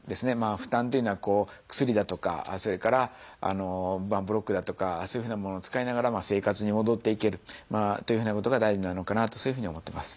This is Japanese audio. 負担というのは薬だとかそれからブロックだとかそういうふうなものを使いながら生活に戻っていけるというふうなことが大事なのかなとそういうふうに思ってます。